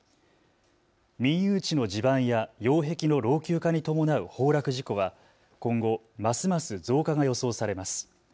民有地の地盤や擁壁の老朽化に伴う崩落事故は今後ますます増加が予想されます。